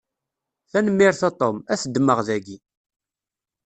Tanemmirt a Tom, ad t-ddmeɣ daki.